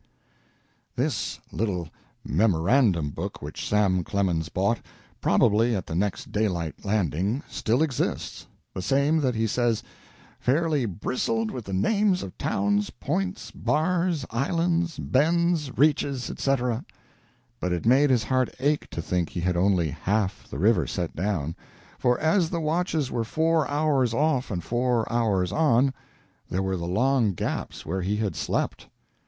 The little memorandum book which Sam Clemens bought, probably at the next daylight landing, still exists the same that he says "fairly bristled with the names of towns, points, bars, islands, bends, reaches, etc."; but it made his heart ache to think he had only half the river set down, for, as the watches were four hours off and four hours on, there were the long gaps where he had slept.